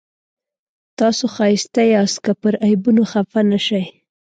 تاسو ښایسته یاست که پر عیبونو خفه نه شئ.